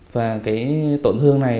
và cái tổn thương này